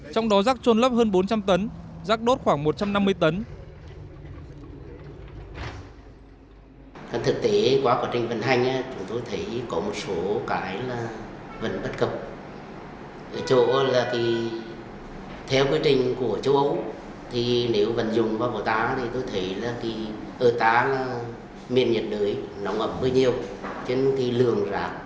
trong đó rác trôn lấp hơn bốn trăm linh tấn rác đốt khoảng một trăm năm mươi tấn